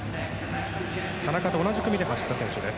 田中と同じ組で走った選手です。